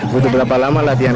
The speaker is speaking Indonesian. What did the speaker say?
butuh berapa lama latihan